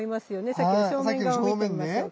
さっきの正面顔見てみましょうか。